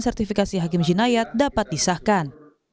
sertifikasi hakim jinayat dapat disahkan